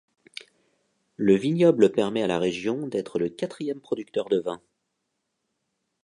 Le vignoble permet à la région d’être le quatrième producteur de vins.